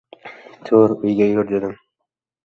— Tur, uyga yur, — dedim.